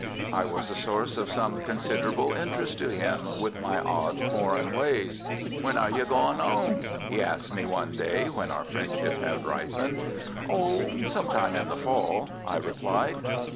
I was a source of some considerable interest to him with my odd foreign ways. "When are you going 'ome?" he asked me one day when our friendship had ripened. "Oh, some time in the fall," I replied.